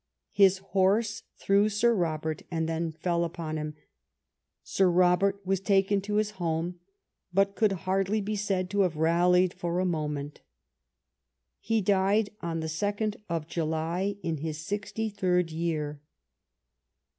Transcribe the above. His horse threw Sir Robert, and then fell upon him. Sir Robert was taken to his home, but could hardly be said to have rallied for a moment. He died on the second of July, in his sixty third year.